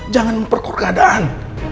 jangan memperkurga keadaan